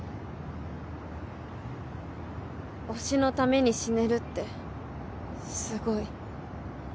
推しのために死ねるってすごい。